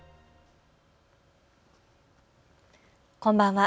こんばんは。